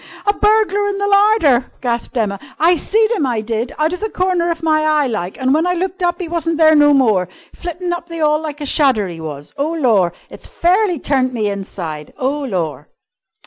"A burglar in the larder!" gasped Emma. "I seed 'im, I did! Out of the corner of my eye, like, and when I looked up 'e wasn't there no more. Flittin' up the 'all like a shadder, 'e was. Oh, lor! It's fairly turned me inside! Oh, lor!"